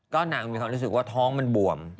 นางมีความรู้สึกว่าท้องมันบวม